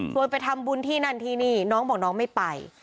ไปทำบุญที่นั่นที่นี่น้องบอกน้องไม่ไป